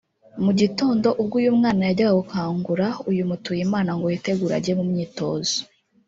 Mu gitondo ubwo uyu mwana yajyaga gukangura uyu Mutuyimana ngo yitegure ajye mu myitozo